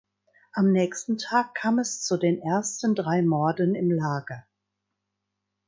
Am nächsten Tag kam es zu den ersten drei Morden im Lager.